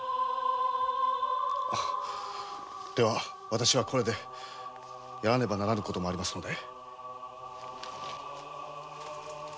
わたしはこれでやらねばならぬ事もありますので。